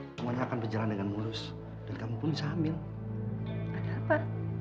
hai semuanya akan berjalan dengan lurus dan kamu pun bisa ambil apa